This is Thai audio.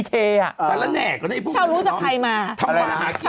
เช้ารู้จักใครอะ